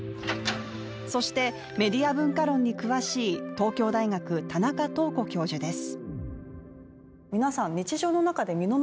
そして、メディア文化論に詳しい東京大学、田中東子教授です。